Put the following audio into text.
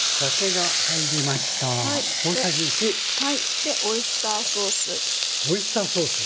でオイスターソース。